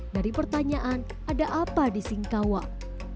dari pertanyaan ada apa di singkawang